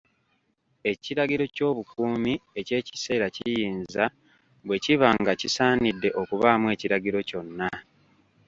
Ekiragiro ky'obukuumi eky'ekiseera kiyinza, bwe kiba nga kisaanidde okubaamu ekiragiro kyonna.